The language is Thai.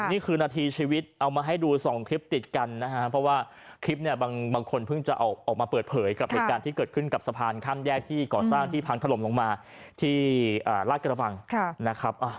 นี่คือนาทีชีวิตเอามาให้ดู๒คลิปติดกันนะครับ